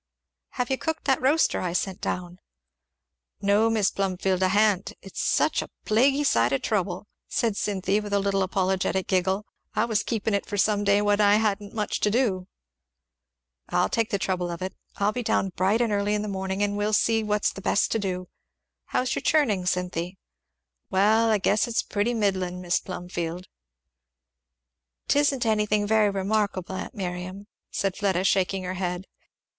"Have you cooked that roaster I sent down?" "No, Mis' Plumfield, I ha'n't it's such a plaguy sight of trouble!" said Cynthy with a little apologetic giggle; "I was keepin' it for some day when I hadn't much to do." "I'll take the trouble of it. I'll be down bright and early in the morning, and we'll see what's best to do. How's your last churning, Cynthy?" "Well I guess it's pretty middlin,' Mis' Plumfield." "'Tisn't anything very remarkable, aunt Miriam," said Fleda shaking her head.